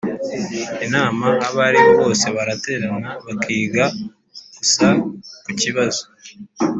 inama abo aribo bose baraterana bakiga gusa ku kibazo